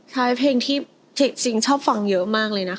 ใช่เพลงที่จริงชอบฟังเยอะมากเลยนะคะ